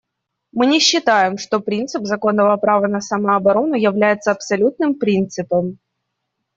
Мы не считаем, что принцип законного права на самооборону является абсолютным принципом.